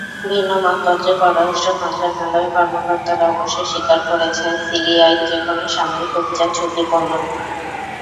ভিন্নমতপত্রে পররাষ্ট্র মন্ত্রণালয়ের কর্মকর্তারা অবশ্য স্বীকার করেছেন, সিরিয়ায় যেকোনো সামরিক অভিযান ঝুঁকিপূর্ণ।